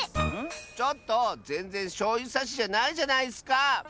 ちょっとぜんぜんしょうゆさしじゃないじゃないッスか！